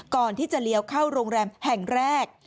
ก่อนที่จะเลี้ยวเข้าโรงแรมแห่งแรก